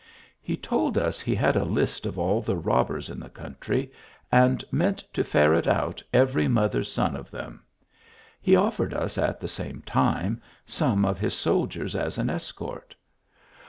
He told us he had a list of all the robbers in the country, and meant to ferret ^ut every mother s son of them ; he offered us at the same time some of his soldiers as an escort.